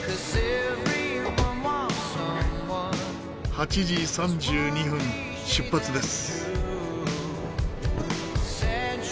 ８時３２分出発です。